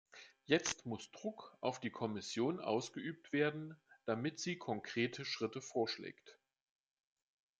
Jetzt muss Druck auf die Kommission ausgeübt werden, damit sie konkrete Schritte vorschlägt.